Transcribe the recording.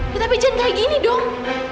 ya tapi jantanya gini dong